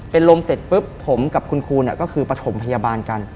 เป็นลมเสร็จปุ๊บผมกับคุณครูก็คือประถมพยาบาลกัน